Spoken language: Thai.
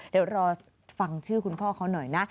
เดี๋ยวรอฟังชื่อคุณพ่อเขาหน่อยนะ